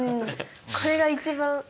これが一番。